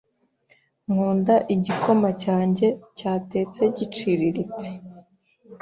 Nkunda igikoma cyanjye cyatetse giciriritse.